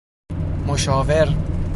مشاور